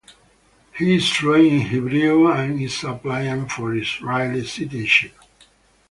He is fluent in Hebrew and is applying for Israeli citizenship.